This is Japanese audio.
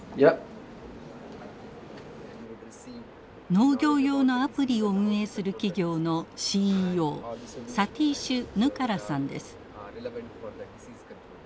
農業用のアプリを運営する企業のＣＥＯサティーシュ・ヌカラさんです。